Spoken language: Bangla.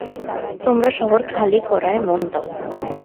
তোমরা শহর খালি করায় মন দাও।